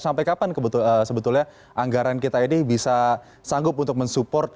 sampai kapan sebetulnya anggaran kita ini bisa sanggup untuk mensupport